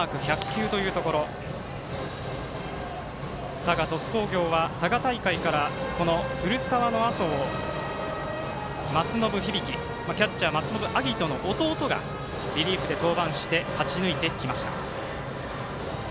佐賀、鳥栖工業は佐賀大会から古澤のあとを松延響キャッチャー、松延晶音の弟がリリーフで登板して勝ち抜いてきました。